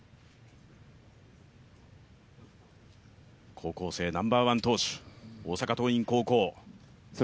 高校生ナンバーワン投手、大阪桐蔭高校。